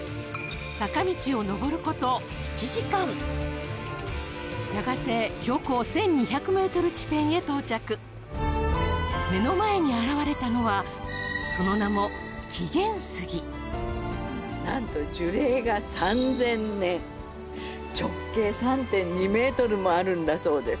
屋久島はやがて標高１２００ｍ地点へ到着目の前に現れたのはその名も紀元杉何と樹齢が３０００年直径３．２ｍもあるんだそうです